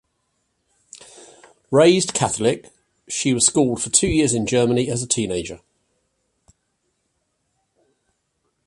Raised Catholic, she was schooled for two years in Germany as a teenager.